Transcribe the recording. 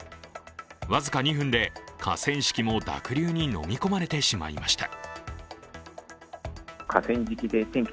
僅か２分で河川敷も濁流にのみ込まれてしまいました。